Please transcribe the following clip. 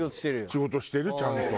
仕事してるちゃんと。